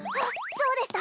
そうでした